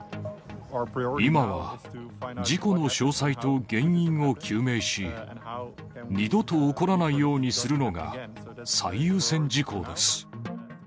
今は事故の詳細と原因を究明し、二度と起こらないようにするのが最優先事項です。